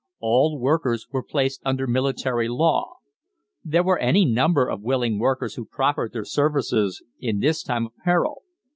All workers were placed under military law. There were any number of willing workers who proffered their services in this time of peril.